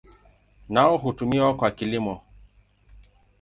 Nao hutumiwa kwa kilimo.